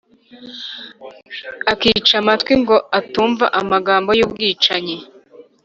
akica amatwi ngo atumva amagambo y’ubwicanyi,